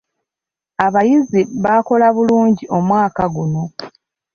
Abayizi baakola bulungi omwaka guno.